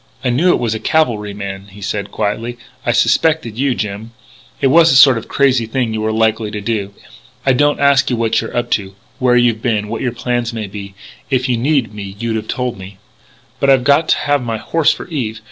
"I knew it was a cavalryman," he said quietly. "I suspected you, Jim. It was the sort of crazy thing you were likely to do.... I don't ask you what you're up to, where you've been, what your plans may be. If you needed me you'd have told me. "But I've got to have my horse for Eve.